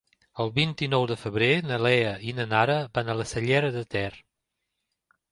El vint-i-nou de febrer na Lea i na Nara van a la Cellera de Ter.